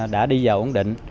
đã đi vào ổn định